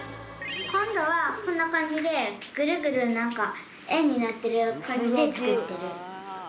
こんどはこんなかんじでぐるぐるなんかえんになってるかんじでつくってる。